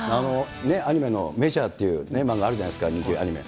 アニメのメジャーっていう漫画あるじゃないですか、人気アニメ。